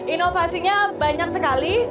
inovasinya banyak sekali